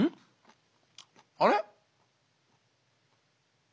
あれ？